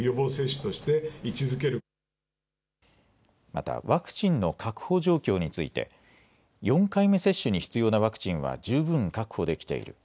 またワクチンの確保状況について４回目接種に必要なワクチンは十分確保できている。